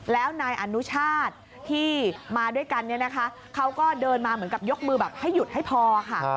แล้วนายอนุชาติที่มาด้วยกันเนี่ยนะคะเขาก็เดินมาเหมือนกับยกมือแบบให้หยุดให้พอค่ะ